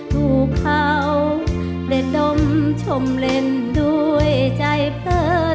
ดูเขาเล็ดดมชมเล่นด้วยใจเปิดเลิศ